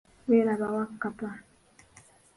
Welaba Wakkapa.